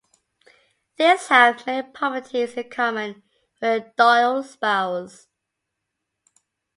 These have many properties in common with the Doyle spirals.